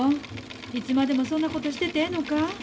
いつまでもそんなことしててええのんか？